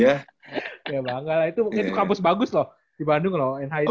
ya bangga lah itu kampus bagus loh di bandung loh in high